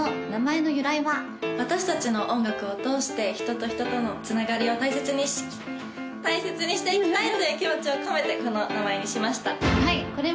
私達の音楽を通して人と人とのつながりを大切に大切にしていきたいという気持ちを込めてこの名前にしました